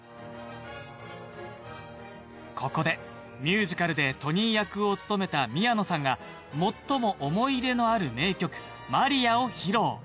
ここでミュージカルでトニー役を務めた宮野さんが最も思い入れのある名曲「Ｍａｒｉａ」を披露